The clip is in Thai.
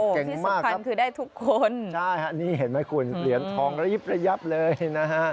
เก่งมากครับใช่ครับนี่เห็นไหมคุณเหรียญทองระยิบเลยนะฮะ